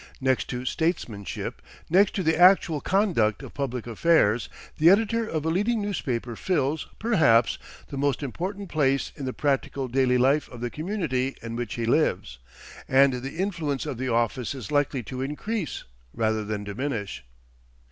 Next to statesmanship, next to the actual conduct of public affairs, the editor of a leading newspaper fills, perhaps, the most important place in the practical daily life of the community in which he lives; and the influence of the office is likely to increase, rather than diminish.